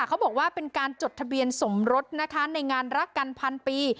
เขาบอกว่าเป็นการจดทะเบียนสมรสนะคะในงานรักกันพันปี